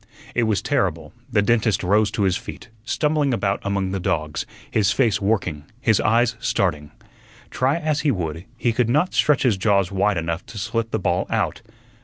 It was terrible. The dentist rose to his feet, stumbling about among the dogs, his face working, his eyes starting. Try as he would, he could not stretch his jaws wide enough to slip the ball out.